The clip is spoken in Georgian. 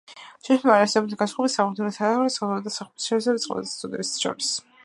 შესაბამისად, არ არსებობს განსხვავება სახმელეთო, საჰაერო, საზღვაო და სხვა სახეობის შეიარარებული ძალების წოდებებს შორის.